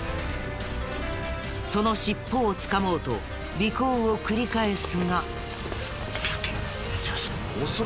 その尻尾をつかもうと尾行を繰り返すが。